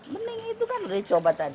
mending itu kan udah dicoba tadi